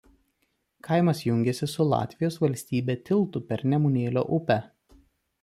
Kaimas jungiasi su Latvijos valstybe tiltu per Nemunėlio upę.